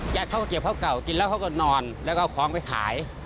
เขาก็เก็บเขาเก่ากินแล้วเขาก็นอนแล้วก็เอาของไปขาย